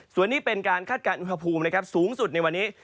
ส่วนนี้เป็นการคาดการณ์อุณหภูมินะครับสูงสุดในวันนี้